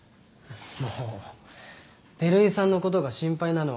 もう照井さんのことが心配なのは分かるけどさ。